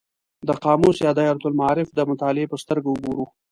د قاموس یا دایرة المعارف د مطالعې په سترګه وګورو.